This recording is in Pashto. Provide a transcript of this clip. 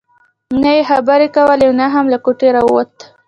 نه يې خبرې کولې او نه هم له کوټې راوته.